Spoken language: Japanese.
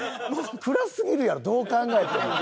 暗すぎるやろどう考えても。